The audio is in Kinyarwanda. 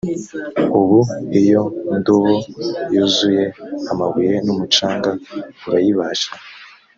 ubu iyo ndobo yuzuye amabuye n ‘umucanga urayibasha?